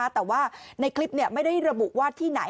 แต่ว่าในคลิปไม่ได้ระบุว่าที่ไหน